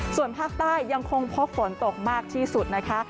ส่วนภาคใต้ยังคงพบฝนตกมากที่สุดนะคะ